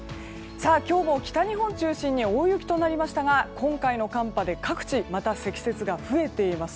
今日も北日本中心に大雪となりましたが今回の寒波で各地、また雪が増えています。